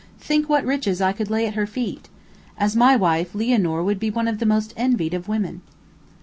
Think what riches I could lay at her feet! As my wife, Lianor would be one of the most envied of women."